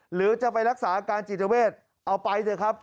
หรือจะไปรักษาอาการจิตเวทเอาไปเถอะครับ